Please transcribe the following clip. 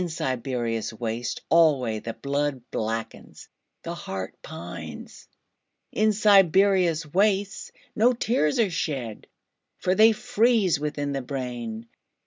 In Siberia's wastes alwayThe blood blackens, the heart pines.In Siberia's wastesNo tears are shed, For they freeze within the brain.